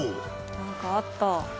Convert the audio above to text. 何かあった。